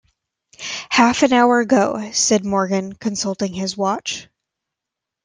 "Half an hour ago," said Morgan, consulting his watch.